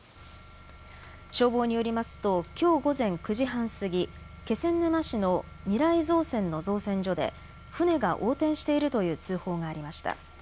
消防によりますときょう午前９時半過ぎ、気仙沼市のみらい造船の造船所で船が横転しているという通報がありました。